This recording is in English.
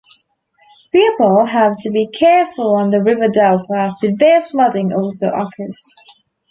People have to be careful on the river delta as severe flooding also occurs.